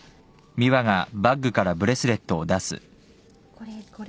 これこれ。